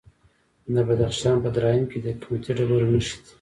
د بدخشان په درایم کې د قیمتي ډبرو نښې دي.